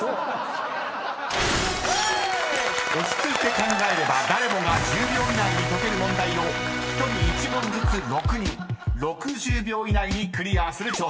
［落ち着いて考えれば誰もが１０秒以内に解ける問題を１人１問ずつ６人６０秒以内にクリアする挑戦です］